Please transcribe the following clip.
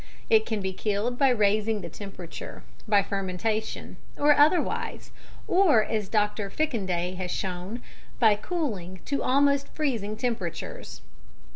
It can be killed by raising the temperature, by fermentation or otherwise, or as Dr. Fickendey has shown, by cooling to almost freezing temperatures.